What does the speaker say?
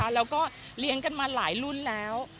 แล้วก็เลี้ยงกันมาหลายรุ่นแล้ว